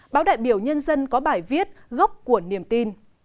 báo đại biểu nhân dân có bài viết gốc của niềm tin